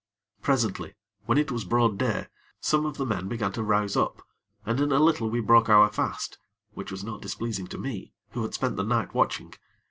Presently, when it was broad day, some of the men began to rouse up, and in a little we broke our fast, which was not displeasing to me, who had spent the night watching.